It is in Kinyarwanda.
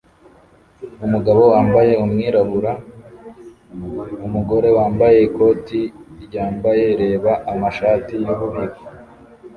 Umugabo wambaye umwirabura numugore wambaye ikoti ryambaye reba amashati mububiko